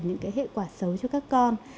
những cái hệ quả xấu cho các con